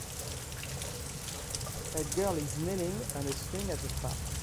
A girl is kneeling on a swing at the park